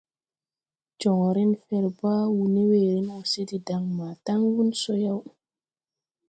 Joŋren fer baa wuu ne weeren wɔ se de daŋ maa taŋgun so yaw.